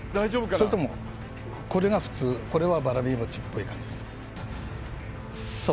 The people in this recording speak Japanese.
それともこれが普通これはわらび餅っぽい感じですか？